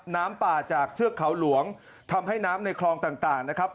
น้ำป่าจากเทือกเขาหลวงทำให้น้ำในคลองต่างนะครับ